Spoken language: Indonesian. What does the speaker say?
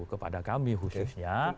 kepada kami khususnya